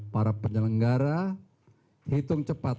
penyelenggara hitung cepat